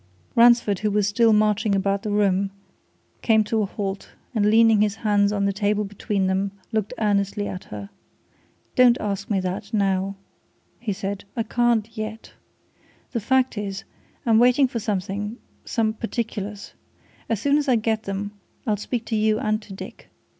Ransford, who was still marching about the room, came to a halt, and leaning his hands on the table between them, looked earnestly at her. "Don't ask that now!" he said. "I can't yet. The fact is, I'm waiting for something some particulars. As soon as I get them, I'll speak to you and to Dick.